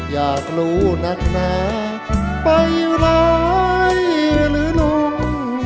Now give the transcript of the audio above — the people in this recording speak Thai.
อยากรู้นักหนาไปร้ายหรือลุง